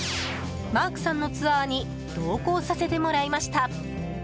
マークさんのツアーに同行させてもらいました。